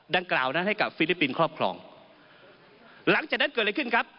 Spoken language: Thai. ดังกล่าวนั้นให้กับฟิลิปปินส์ครอบครองหลังจากนั้นเกิดอะไรขึ้นครับ